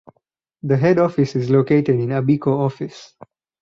The head office is located in Abiko Office.